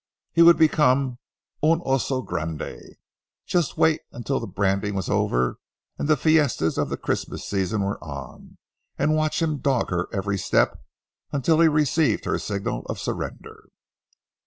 He would become un oso grande. Just wait until the branding was over and the fiestas of the Christmas season were on, and watch him dog her every step until he received her signal of surrender.